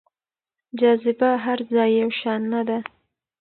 جاذبه هر ځای يو شان نه ده.